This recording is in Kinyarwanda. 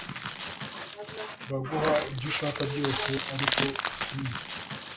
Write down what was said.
Turaguha ibyo ushaka byose ariko usinye